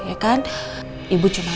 ya kan ibu cuma